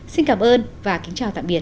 xin cảm ơn và kính chào tạm biệt